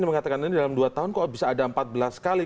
mengatakan ini dalam dua tahun kok bisa ada empat belas kali